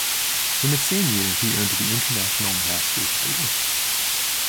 In the same year he earned the International Master title.